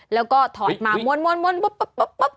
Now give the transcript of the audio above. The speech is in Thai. แล้วก็ถอดมาม้วนปุ๊บ